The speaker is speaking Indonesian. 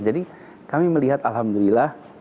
jadi kami melihat alhamdulillah